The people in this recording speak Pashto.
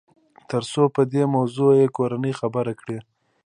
تر څو په دې موضوع يې کورنۍ خبره کړي.